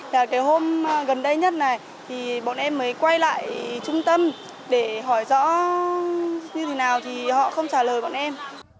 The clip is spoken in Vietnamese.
và cái hôm gần đây nhất này thì bọn em mới quay lại trung tâm để hỏi rõ như thế nào thì họ không trả lời bọn em